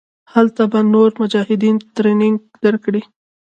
هلته به نور مجاهدين ټرېننګ دركي.